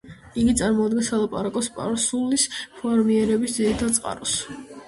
იგი წარმოადგენს სალაპარაკო სპარსულის ფორმირების ძირითად წყაროს.